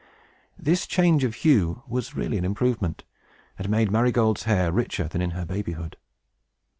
This change of hue was really an improvement, and made Marygold's hair richer than in her babyhood.